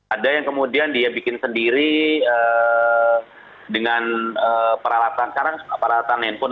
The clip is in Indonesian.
ada yang kemudian dia bikin sendiri dengan peralatan sekarang peralatan handphone